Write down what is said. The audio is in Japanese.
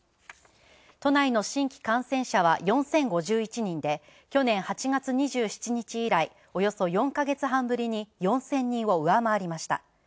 都内の新規感染者は４０５１人で去年８月２７日以来、およそ４ヶ月半ぶりに４０００人を上回りました。